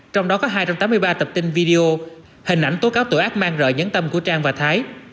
trong đó có hai trăm tám mươi ba tập tin video hình ảnh tố cáo tội ác mang rời nhấn tâm của trang và thái